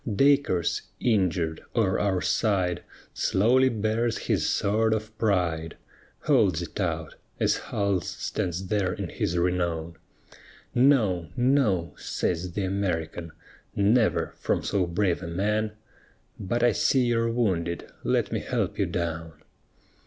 Dacres, injured, o'er our side Slowly bears his sword of pride, Holds it out, as Hull stands there in his renown: No, no! says th' American, _Never, from so brave a man But I see you're wounded, let me help you down.